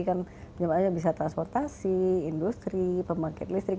kan jemaahnya bisa transportasi industri pembangkit listrik